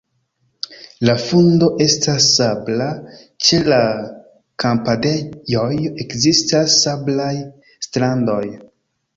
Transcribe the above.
La fundo estas sabla, ĉe la kampadejoj ekzistas sablaj strandoj.